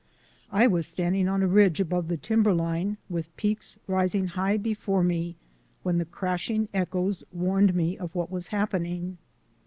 I was standing on a ridge above the timberline with peaks rising high before me when the crashing echoes warned me of what was happening.